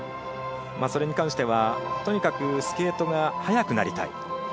それに関してはとにかくスケートが速くなりたい。